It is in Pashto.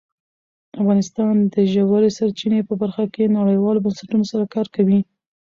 افغانستان د ژورې سرچینې په برخه کې نړیوالو بنسټونو سره کار کوي.